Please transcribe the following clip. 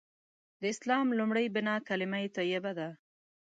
د اسلام لومړۍ بناء کلیمه طیبه ده.